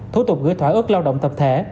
thủ tục gửi thỏa ước lao động tập thể